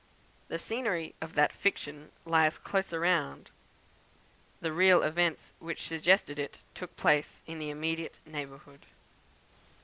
The scenery of that fiction lies close around; the real events which suggested it took place in the immediate neighbourhood.